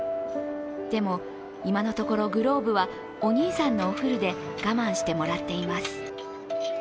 でも、今のところグローブはお兄さんのお古で我慢してもらっています。